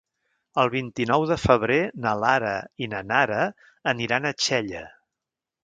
El vint-i-nou de febrer na Lara i na Nara aniran a Xella.